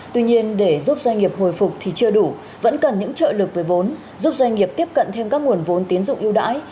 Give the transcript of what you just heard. tuy nhiên để giúp doanh nghiệp hồi phục thì chưa đủ vẫn cần những trợ lực về vốn giúp doanh nghiệp tiếp cận thêm các nguồn vốn tiến dụng yêu đãi